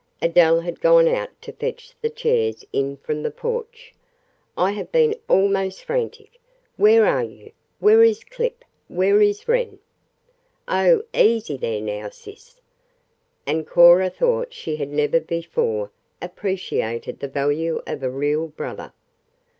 Adele had gone out to fetch the chairs in from the porch. "I have been almost frantic. Where are you? Where is Clip? Where is Wren?" "Oh, easy there, now, sis," and Cora thought she had never before appreciated the value of a real brother.